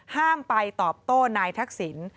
ห้ามไปตอบโต้นายทักษิณ